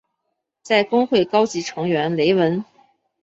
在公会高级成员雷文。